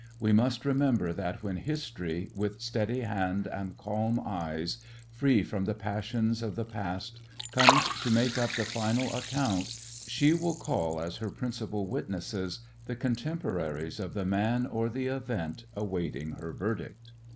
We must remember that when History, with steady hand and calm eyes, free from the passions of the past, comes to make up the final account, she will call as her principal witnesses the contemporaries of the man or the event awaiting her verdict.